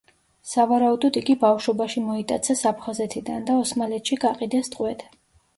სავარაუდოდ იგი ბავშვობაში მოიტაცეს აფხაზეთიდან და ოსმალეთში გაყიდეს ტყვედ.